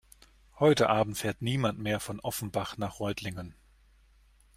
Heute Abend fährt niemand mehr von Offenbach nach Reutlingen